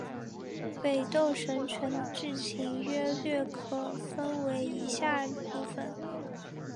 北斗神拳的剧情约略可分为以下部分。